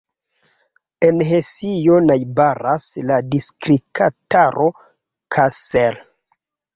En Hesio najbaras la distriktaro Kassel.